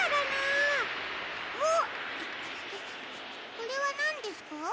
これはなんですか？